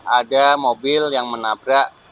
ada mobil yang menabrak